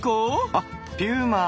あっピュウマ！